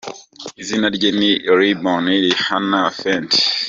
Izina rye ni Robny Rihanna Fenty.